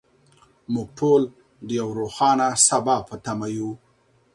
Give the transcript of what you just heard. موږ ټول د یو روښانه سبا په تمه یو.